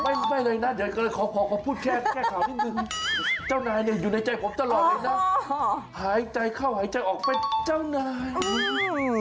ไม่ไม่เลยนะเดี๋ยวก็เลยขอขอพูดแค่ข่าวนิดนึงเจ้านายเนี่ยอยู่ในใจผมตลอดเลยนะหายใจเข้าหายใจออกเป็นเจ้านาย